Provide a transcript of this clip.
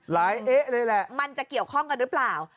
เอ๊ะเลยแหละมันจะเกี่ยวข้องกันหรือเปล่า